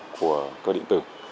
của cơ điện tử